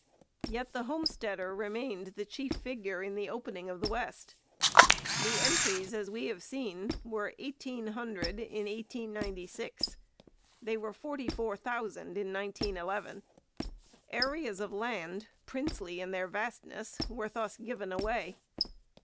Yet the homesteader remained the chief figure in the opening of the West. The entries, as we have seen, were eighteen hundred in 1896. They were forty four thousand in 1911. Areas of land princely in their vastness were thus given away.